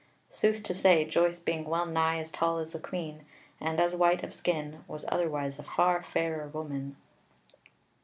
Sooth to say, Joyce being well nigh as tall as the Queen, and as white of skin, was otherwise a far fairer woman.